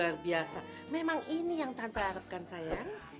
wah luar biasa memang ini yang tante harapkan sayang